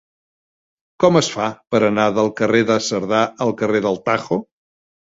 Com es fa per anar del carrer de Cerdà al carrer del Tajo?